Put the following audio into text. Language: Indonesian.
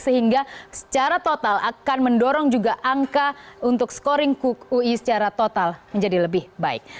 sehingga secara total akan mendorong juga angka untuk scoring ui secara total menjadi lebih baik